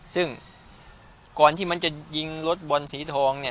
ซึ่งก่อนที่มันจะยิงรถบอลสีทองเนี่ย